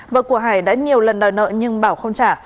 vợ của hải đã nhiều lần đòi nợ nhưng bảo không trả